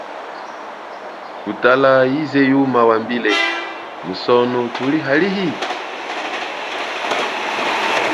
Kutala yize yuma wambile, musono thuli halihi?